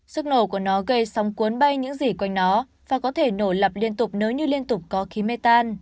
sức nổ của nó gây sóng cuốn bay những gì quanh nó và có thể nổi lập liên tục nếu như liên tục có khí mê tan